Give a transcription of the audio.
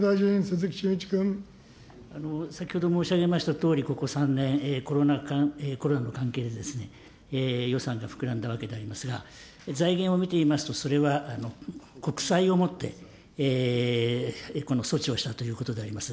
先ほど申し上げましたとおり、ここ３年、コロナの関係で予算が膨らんだわけでありますが、財源を見てみますと、それは国債をもってこの措置をしたということであります。